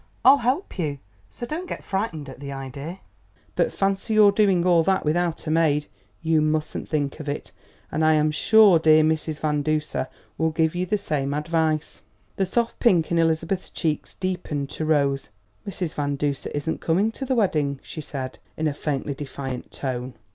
I'll help you; so don't get frightened at the idea. But fancy your doing all that without a maid! You mustn't think of it! And I am sure dear Mrs. Van Duser will give you the same advice." The soft pink in Elizabeth's cheeks deepened to rose. "Mrs. Van Duser isn't coming to the wedding," she said, in a faintly defiant tone.